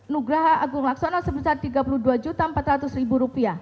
nugraha agung laksono sebesar rp tiga puluh dua empat ratus